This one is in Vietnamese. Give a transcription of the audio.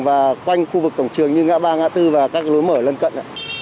và quanh khu vực cổng trường như ngã ba ngã tư và các lối mở lân cận